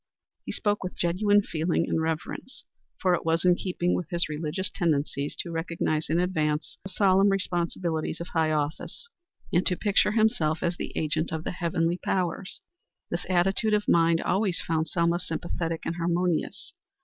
He spoke with genuine feeling and reverence, for it was in keeping with his religious tendencies to recognize in advance the solemn responsibilities of high office, and to picture himself as the agent of the heavenly powers. This attitude of mind always found Selma sympathetic and harmonious.